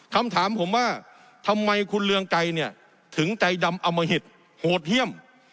คำถามผมว่าทำไมคุณเรืองไกรเนี่ยถึงใจดำอมหิตโหดเยี่ยม